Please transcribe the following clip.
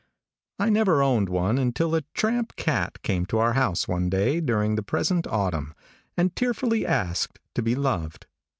I never owned one until a tramp cat came to our house one day during the present autumn, and tearfully asked to be loved.